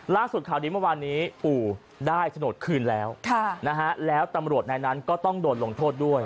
ข่าวดีเมื่อวานนี้ปู่ได้โฉนดคืนแล้วแล้วตำรวจนายนั้นก็ต้องโดนลงโทษด้วย